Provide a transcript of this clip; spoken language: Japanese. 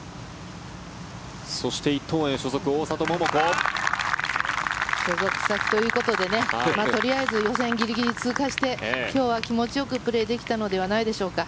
そして伊藤園所属、大里桃子。所属先ということで予選ギリギリ通過して今日は気持ちよくプレーできたのではないでしょうか。